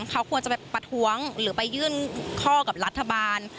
เขาควรจะไปประท้วงหรือไปยื่นข้อกับรัฐบาล